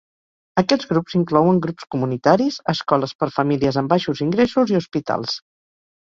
Aquests grups inclouen grups comunitaris, escoles per famílies amb baixos ingressos i hospitals.